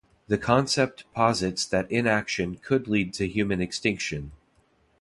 The concept posits that inaction could lead to human extinction.